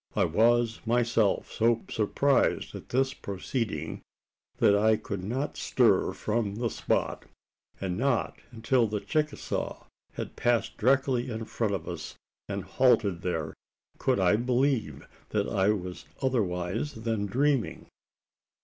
I was myself so surprised at this proceeding, that I could not stir from the spot; and not until the Chicasaw had passed directly in front of us and halted there, could I believe that I was otherwise than dreaming.